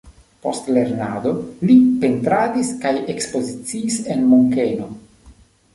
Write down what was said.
Post lernado li pentradis kaj ekspoziciis en Munkeno.